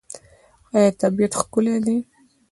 آیا طبیعت ښکلی دی؟